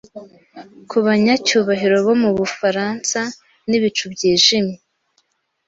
Kubanyacyubahiro bo mubufaransa nibicu byijimye